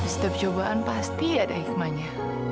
setiap cobaan pasti ada hikmahnya